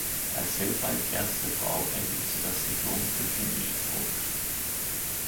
Als weltweit erste Frau erhielt sie das Diplom für Chemie.